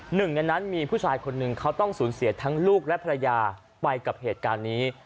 หนึ่งในนั้นมีผู้ชายคนหนึ่งเขาต้องสูญเสียทั้งลูกและภรรยาไปกับเหตุการณ์นี้